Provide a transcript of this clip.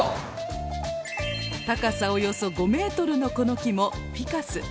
高さおよそ５メートルのこの木もフィカス。